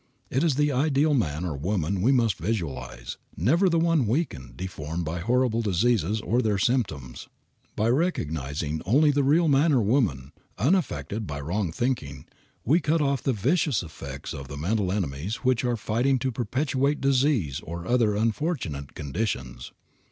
It is the ideal man or woman we must visualize, never the one weakened, deformed by horrible diseases or their symptoms. By recognizing only the real man or woman, unaffected by wrong thinking, we cut off the vicious effects of the mental enemies which are fighting to perpetuate disease or other unfortunate conditions.